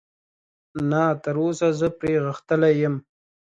نه، تراوسه زه پرې غښتلی یم.